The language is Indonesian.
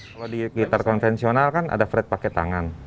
kalau di gitar konvensional kan ada fret pake tangan